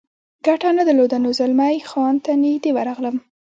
ګټه نه درلوده، نو زلمی خان ته نږدې ورغلم.